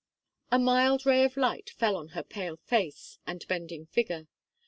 A mild ray of light fell on her pale face, and bending figure.